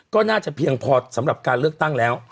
ก็น่าจะเพียงพอสำหรับการเลือกตั้งแล้ว